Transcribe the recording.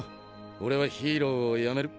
俺はヒーローをやめる。